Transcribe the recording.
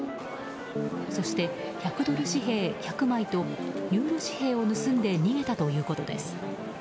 そして１００ドル紙幣１００枚とユーロ紙幣を盗んで逃げたということです。